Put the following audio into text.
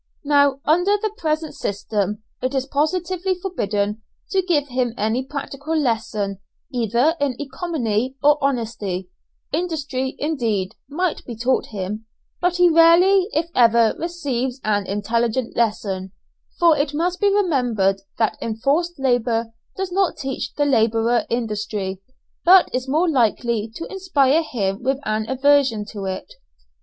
Now, under the present system it is positively forbidden to give him any practical lesson either in economy or honesty; industry, indeed, might be taught him, but he rarely if ever receives an intelligent lesson, for it must be remembered that enforced labour does not teach the labourer industry, but is more likely to inspire him with an aversion to it.